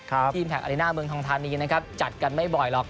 ทีมแพคอารีน่าเมืองทองทานีนะครับจัดกันไม่บ่อยหรอก